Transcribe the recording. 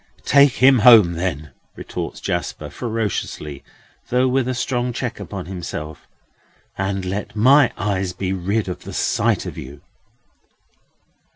"Take him home, then," retorts Jasper, ferociously, though with a strong check upon himself, "and let my eyes be rid of the sight of you!"